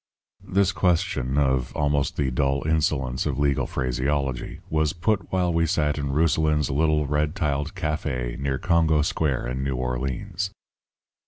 This question (of almost the dull insolence of legal phraseology) was put while we sat in Rousselin's little red tiled café near Congo Square in New Orleans.